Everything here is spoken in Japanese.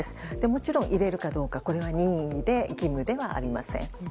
もちろん入れるかどうかは任意で義務ではありません。